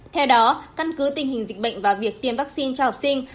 theo đó căn cứ tình hình dịch bệnh và việc tiêm vaccine cho học sinh